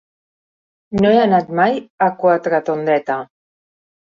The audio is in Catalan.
No he anat mai a Quatretondeta.